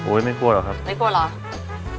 ไม่กลัวหรอกครับไม่กลัวเหรอ